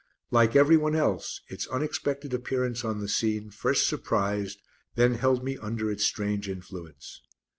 Like everyone else, its unexpected appearance on the scene first surprised and then held me under its strange influence.